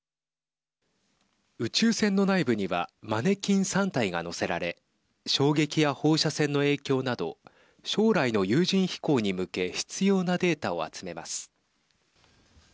宇宙船の内部にはマネキン３体が載せられ衝撃や放射線の影響など将来の有人飛行に向け必要なデータを集めます。